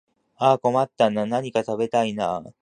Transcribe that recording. ああ困ったなあ、何か食べたいなあ